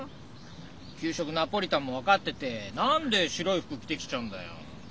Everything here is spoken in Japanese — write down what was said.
きゅう食ナポリタンも分かってて何で白いふくきてきちゃうんだよ？